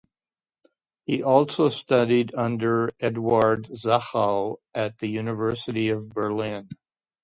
He also studied under Eduard Sachau at the University of Berlin.